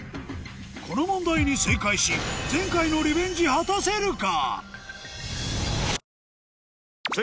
この問題に正解し前回のリベンジ果たせるか？